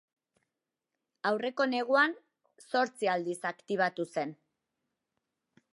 Aurreko neguan zortzi aldiz aktibatu zen.